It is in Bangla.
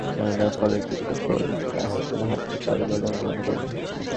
কিন্তু তার ফলের কৃতিত্ব রাষ্ট্রের হতে পারে বলে আমি মনে করি না।